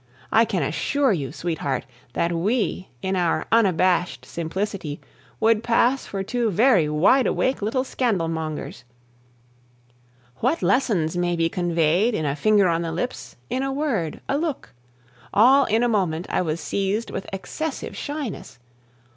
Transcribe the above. I can assure you, sweetheart, that we, in our unabashed simplicity, would pass for two very wide awake little scandal mongers. What lessons may be conveyed in a finger on the lips, in a word, a look! All in a moment I was seized with excessive shyness.